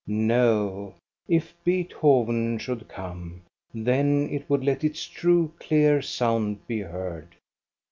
No, if Beethoven should come, then it would let its true, clear sound be heard.